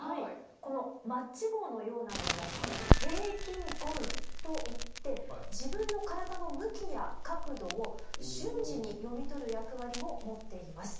このマッチ棒のようなもの平均棍といって自分の体の向きや角度を瞬時に読み取る役割を持っています。